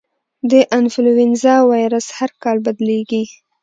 د انفلوېنزا وایرس هر کال بدلېږي.